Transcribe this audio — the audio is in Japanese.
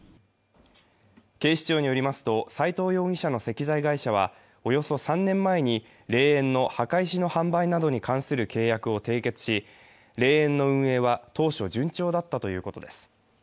警視庁によりますと、斉藤容疑者の石材会社はおよそ３年前に霊園の墓石の販売などに関する契約を締結し、霊園の運営は当初、順調だったということです。